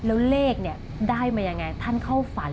แล้วเลขเนี่ยได้ไม่ยังไง